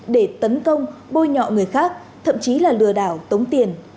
để tấn công bôi nhọ người khác thậm chí là lừa đảo tống tiền